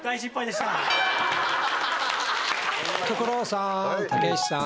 所さんたけしさん。